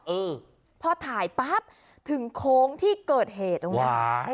อืมพอถ่ายปั๊บถึงโค้งที่เกิดเหตุตรงนั้นว้าย